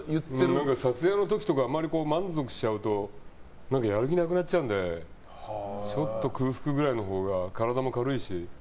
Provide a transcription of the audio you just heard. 撮影の時とかあまり満足しちゃうとやる気なくなっちゃうのでちょっと空腹ぐらいのほうが体も軽いし。